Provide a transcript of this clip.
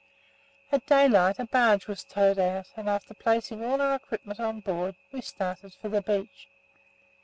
At daylight a barge was towed out and, after placing all our equipment on board, we started for the beach.